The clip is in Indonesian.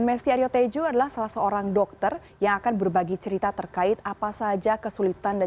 mesty aryoteju adalah salah seorang dokter yang akan berbagi cerita terkait apa saja kesulitan dan